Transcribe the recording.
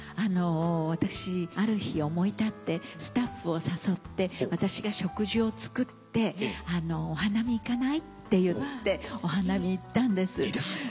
私ある日思い立ってスタッフを誘って私が食事を作って「お花見行かない？」って言ってお花見行ったんです。